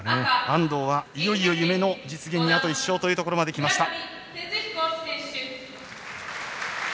安藤はいよいよ夢の実現にあと１勝まできました。